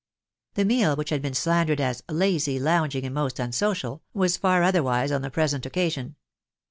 The meal which has been slandered as "lazy, lounging, and most unsocial/' was far otherwise on the present occa sion.